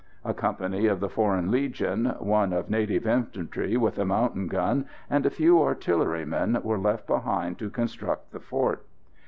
A company of the Foreign Legion, one of native infantry with a mountain gun, and a few artillerymen were left behind to construct the fort.